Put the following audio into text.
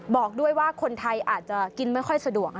บอกด้วยว่าคนไทยอาจจะกินไม่ค่อยสะดวก